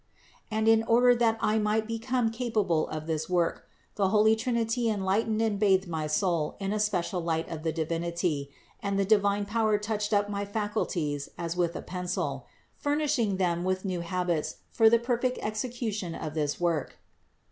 And in order that I might be come capable of this work, the Holy Trinity enlightened and bathed my soul in a special light of the Divinity and the divine power touched up my faculties as with a INTRODUCTION 21 pencil, furnishing them with new habits for the perfect execution of this work.